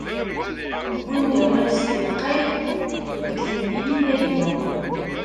Wwin-d awal s telqay deg temlilit-agi.